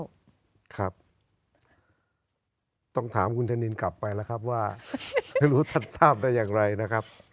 ครับต้องถามคุณธนินกลับไปแล้วครับว่าไม่รู้ท่านทราบได้อย่างไรนะครับ